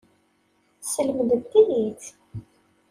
Teslemdemt-iyi-tt.